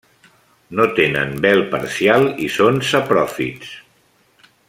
No tenen vel parcial i són sapròfits.